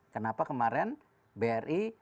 kenapa kemarin bri